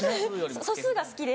素数が好きで。